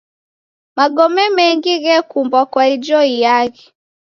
Magome mengi ghekumbwa kwa ijo iaghi.